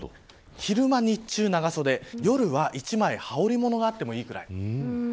昼間日中長袖、夜は一枚羽織りものがあってもいいくらい。